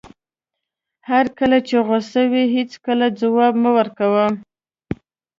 هر کله چې غوسه وئ هېڅکله ځواب مه ورکوئ.